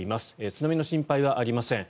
津波の心配はありません。